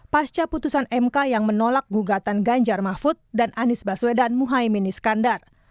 pasca putusan mk yang menolak gugatan ganjar mahfud dan anies baswedan muhaymin iskandar